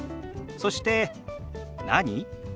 そして「何？」。